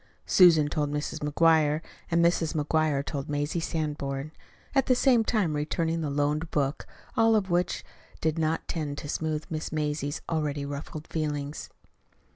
Susan told Mrs. McGuire, and Mrs. McGuire told Mazie Sanborn, at the same time returning the loaned book all of which did not tend to smooth Miss Mazie's already ruffled feelings.